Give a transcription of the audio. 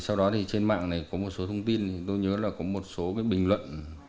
sau đó thì trên mạng này có một số thông tin tôi nhớ là có một số bình luận